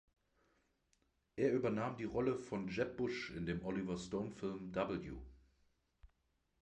Er übernahm die Rolle von Jeb Bush in dem Oliver-Stone-Film „W“.